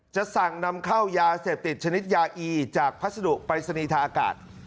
จะสั่งนำเข้ายาเสพติดชนิดยาอีจากพัสดุปรายศนีย์ทางอากาศ